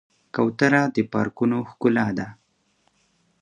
کوتره د پارکونو ښکلا ده.